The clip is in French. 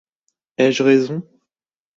Ai-je raison ?